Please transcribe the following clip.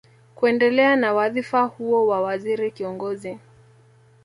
Kuendelea na wadhifa huo wa waziri kiongozi